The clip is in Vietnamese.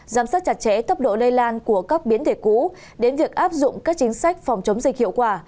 giám sát chặt chẽ tốc độ lây lan của các biến thể cũ đến việc áp dụng các chính sách phòng chống dịch hiệu quả